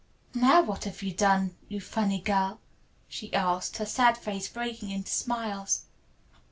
"Now what have you done, you funny girl?" she asked, her sad face breaking into smiles.